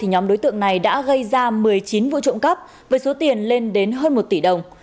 nhóm đối tượng này đã gây ra một mươi chín vụ trộm cắp với số tiền lên đến hơn một tỷ đồng